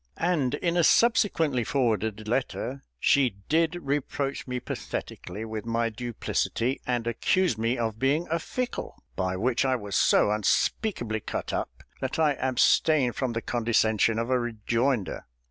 And in a subsequently forwarded letter she did reproach me pathetically with my duplicity, and accused me of being a fickle by which I was so unspeakably cut up that I abstained from the condescension of a rejoinder.